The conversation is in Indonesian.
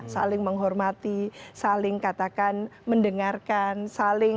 saling menghormati saling katakan mendengarkan saling